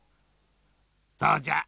そうじゃ。